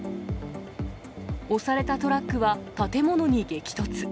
押されたトラックは建物に激突。